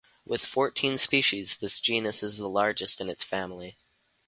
With fourteen species this genus is the largest in its family.